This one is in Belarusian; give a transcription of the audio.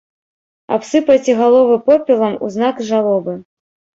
Абсыпайце галовы попелам у знак жалобы.